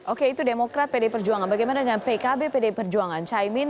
oke itu demokrat pdip perjuangan bagaimana dengan pkb pdip perjuangan